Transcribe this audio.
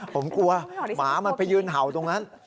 ผมกลัวหมามันไปยืนเห่าตรงนั้น